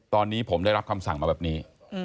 ตอนนี้ผมได้รับคำสั่งมาแบบนี้